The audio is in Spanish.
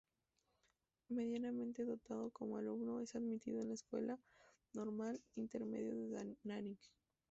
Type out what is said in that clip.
Medianamente dotado como alumno, es admitido en la Escuela Normal intermedio de Nanning.